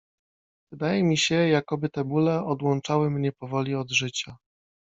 Wydaje mi się, jakoby te bóle odłączały mnie powoli od życia.